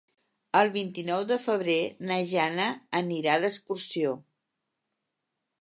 El vint-i-nou de febrer na Jana anirà d'excursió.